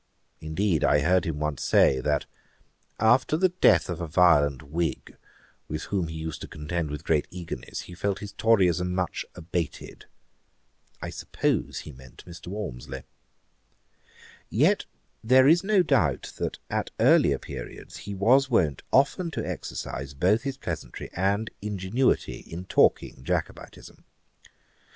Indeed I heard him once say, that 'after the death of a violent Whig, with whom he used to contend with great eagerness, he felt his Toryism much abated.' I suppose he meant Mr. Walmsley. [Page 431: Whiggism. Ætat 54.] Yet there is no doubt that at earlier periods he was wont often to exercise both his pleasantry and ingenuity in talking Jacobitism.